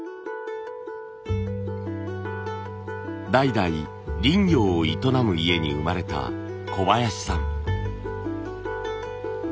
代々林業を営む家に生まれた小林さん。